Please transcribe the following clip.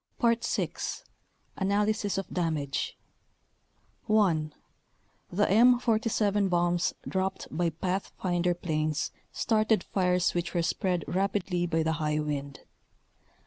VI. Analysis of Damage 1. The M47 bombs dropped by pathfinder planes started fires which were spread rapidly by the high wind.